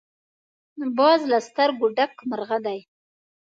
باز له سترګو ډک مرغه دی